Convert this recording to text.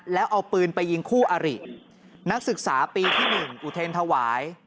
แล้วเอาปืนไปยิงคู่อรินักศึกษาปีที่๑อุเทรนธวาย